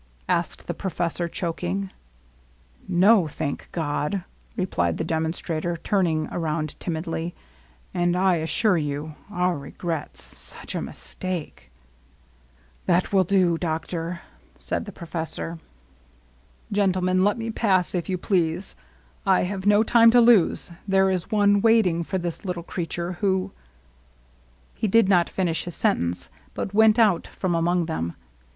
asked the professor, choking. "No, thank God!" replied the demonstrator, turning around timidly; "and I assure you — our regrets — such a mistake "— "That will do, doctor," said the professor. 88 LOVELINESS. ^' Gentlemen^ let me pass^ if you please. I have no time to lose. There is one waiting for this little creature who "— He did not finish his sentence, but went out from among them.